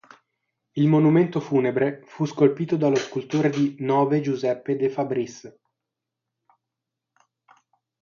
Il monumento funebre fu scolpito dallo scultore di Nove Giuseppe De Fabris.